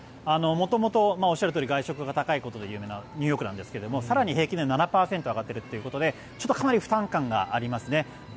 元々おっしゃるとおり外食が高いことで有名なニューヨークなんですが更に平均では７％上がっているということでかなり負担感がありますね。